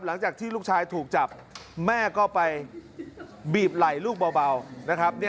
หลังจากที่ลูกชายถูกจับแม่ก็ไปบีบไหล่ลูกเบานะครับ